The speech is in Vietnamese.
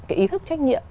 cái ý thức trách nhiệm